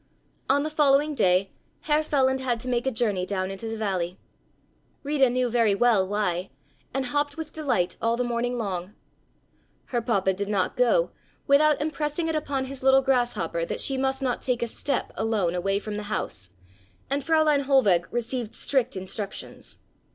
On the following day Herr Feland had to make a journey down into the valley. Rita knew very well why, and hopped with delight all the morning long. Her papa did not go, without impressing it upon his little "grasshopper" that she must not take a step alone away from the house, and Fräulein Hohlweg received strict instructions.